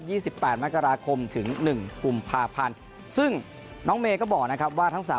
สิบแปดมกราคมถึงหนึ่งกุมภาพันธ์ซึ่งน้องเมย์ก็บอกนะครับว่าทั้งสาม